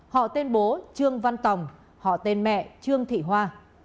họ tên bố trương văn tòng họ tên mẹ trương thị hoa